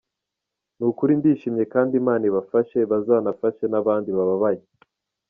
Ni ukuri ndishimye kandi Imana ibafashe bazanafashe n’abandi bababaye.